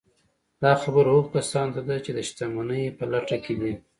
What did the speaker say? دا خبره هغو کسانو ته ده چې د شتمنۍ په لټه کې دي